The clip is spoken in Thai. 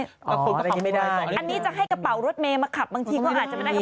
อันนี้จะให้กระเป๋ารถเมล์มาขับบางทีก็าดจะเป็นได้กระเป๋ารถเมล์